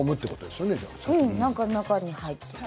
なんか中に入っている。